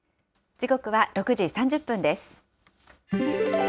時刻は６時３０分です。